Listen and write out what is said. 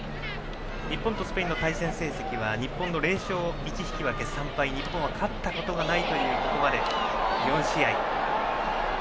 日本とスペインの対戦成績は日本の０勝１引き分け３敗で日本は勝ったことがないというここまで４試合。